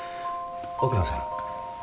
奥野さん。